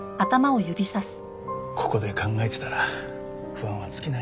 ここで考えてたら不安は尽きないよ。